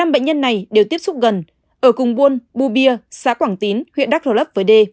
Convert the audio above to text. một mươi năm bệnh nhân này đều tiếp xúc gần ở cùng buôn bu bia xã quảng tín huyện đắk lộ lấp với d